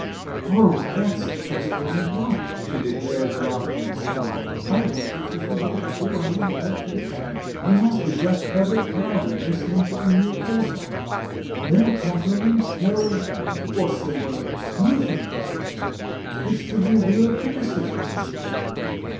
"Oh, that's just what I want," she declared, laughing happily; "I want you to forget who I am altogether — you must be just Herbert Hard ing listening to a new author. No compliments, no — what's the word? — euphemisms. It's to be real criticism, please."